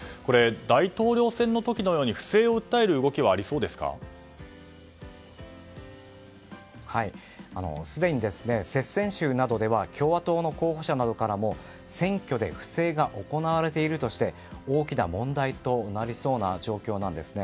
大統領選の時のように不正を訴える動きはすでに接戦州などでは共和党の候補者などからも選挙で不正が行われているとして大きな問題となりそうな状況です。